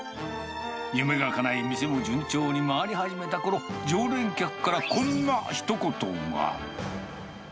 夢がかない、店も順調に回り始めたころ、常連客からこんなひと言が。